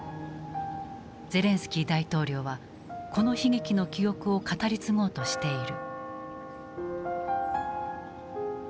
ゼレンスキー大統領はこの悲劇の記憶を語り継ごうとしている。